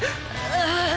ああ！